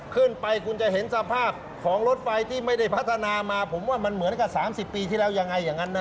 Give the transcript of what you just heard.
ขึ้นไปคุณจะเห็นสภาพของรถไฟที่ไม่ได้พัฒนามาผมว่ามันเหมือนกับ๓๐ปีที่แล้วยังไงอย่างนั้นนะ